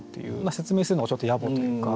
説明するのもちょっとやぼというか。